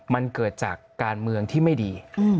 มันเกิดจากการเมืองที่ไม่ดี